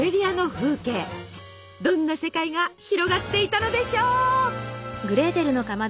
どんな世界が広がっていたのでしょう。